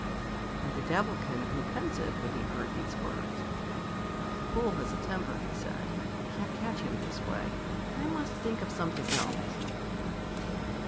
And the Devilkin grew pensive when he heard these words. "The Fool has a temper," he said; "I can't catch him this way; I must think of something else."